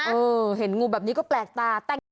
เออเห็นงูแบบนี้ก็แปลกตา